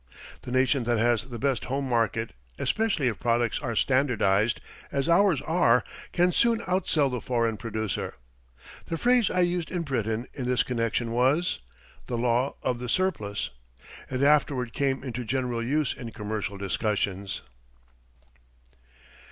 The nation that has the best home market, especially if products are standardized, as ours are, can soon outsell the foreign producer. The phrase I used in Britain in this connection was: "The Law of the Surplus." It afterward came into general use in commercial discussions.